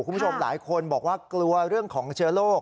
คุณผู้ชมหลายคนบอกว่ากลัวเรื่องของเชื้อโรค